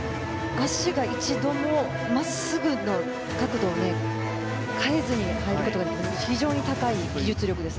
脚が一度も真っすぐの角度を変えずに入ることができる非常に高い技術力です。